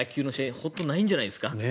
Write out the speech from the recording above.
本当、ないんじゃないですか？